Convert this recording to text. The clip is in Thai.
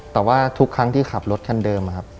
แต่ว่าทุกครั้งที่ขับรถคันเดิมครับ